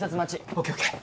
ＯＫＯＫ